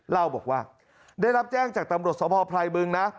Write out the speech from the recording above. เล่าบอกว่าได้รับแจ้งจากตำรวจสภพลายบึงนะ